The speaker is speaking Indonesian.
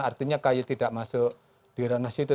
artinya kay tidak masuk di ranah situ